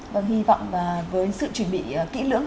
vâng hi vọng với sự chuẩn bị kỹ lưỡng